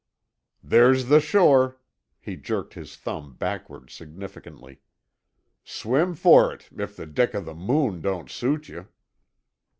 "There's the shore," he jerked his thumb backward significantly. "Swim for it, if the deck o' the Moon don't suit you."